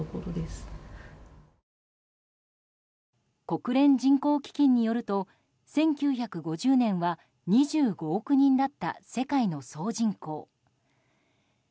国連人口基金によると１９５０年は２５億人だった世界の総人口。